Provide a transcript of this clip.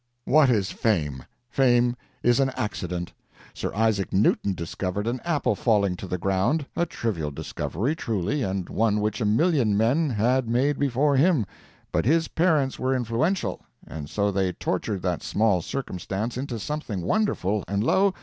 'What is fame! Fame is an accident. Sir Isaac Newton discovered an apple falling to the ground a trivial discovery, truly, and one which a million men had made before him but his parents were influential, and so they tortured that small circumstance into something wonderful, and, lo!